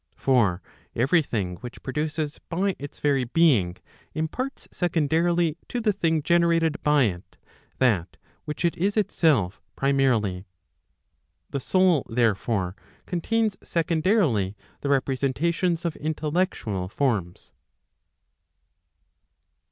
For every thing which produces by its very being, imparts secondarily to the thing gener¬ ated by it, that which it is itself primarily. The soul, therefore, contains secondarily the representations of intellectual forms.